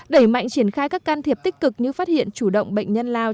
đẩy mạnh triển khai các can thiệp tích cực như phát hiện chủ động bệnh nhân lao